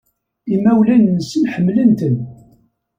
Imawlan-nsent ḥemmlen-ten.